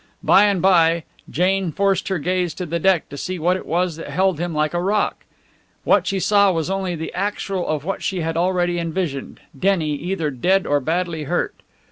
By and by Jane forced her gaze to the deck to see what it was that held him like a rock. What she saw was only the actual of what she had already envisaged Denny, either dead or badly hurt!